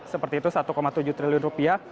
seperti itu satu tujuh triliun rupiah